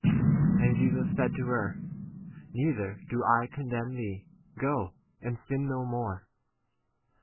And Jesus said to her, Neither do I * condemn thee : go, and sin no 12 more.